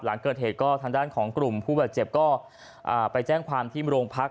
หลังเกิดเหตุก็ทางด้านของกลุ่มผู้บาดเจ็บก็ไปแจ้งความที่โรงพัก